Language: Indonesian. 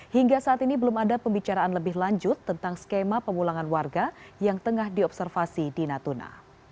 hingga saat ini belum ada pembicaraan lebih lanjut tentang skema pemulangan warga yang tengah diobservasi di natuna